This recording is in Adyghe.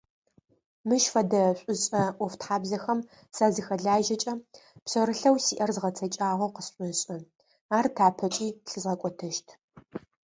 Мыщ фэдэ шӏушӏэ ӏофтхьабзэхэм сазыхэлажьэкӏэ пшъэрылъэу сиӏэр згъэцэкӏагъэу къысшӏошӏы, ар тапэкӏи лъызгъэкӏотэщт.